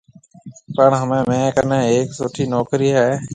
پڻ همي ميه ڪني هيَڪ سُٺِي نوڪرِي هيَ۔